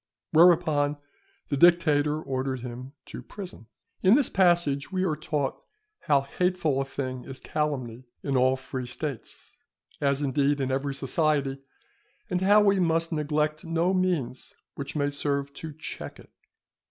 Whereupon the dictator ordered him to prison. In this passage we are taught how hateful a thing is calumny in all free States, as, indeed, in every society, and how we must neglect no means which may serve to check it.